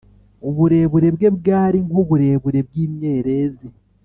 uburebure bwe bwari nk’uburebure bw’imyerezi